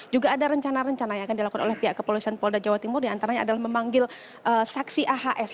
juga ada rencana rencana yang akan dilakukan oleh pihak kepolisian polda jawa timur diantaranya adalah memanggil saksi ahs